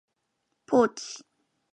ポーチ、